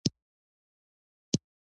افغانستان د د ریګ دښتې کوربه دی.